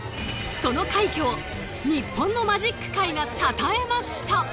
その快挙を日本のマジック界がたたえました。